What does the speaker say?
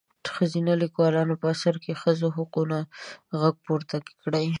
ښځينه لیکوالو په خپلو اثارو کې د ښځو د حقونو غږ پورته کړی.